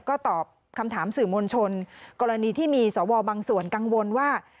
ก็ตอบคำถามสื่อมวลชนกรณีที่มีสวบางส่วนกังวลว่า